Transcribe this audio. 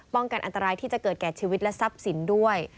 กันอันตรายที่จะเกิดแก่ชีวิตและทรัพย์สินด้วย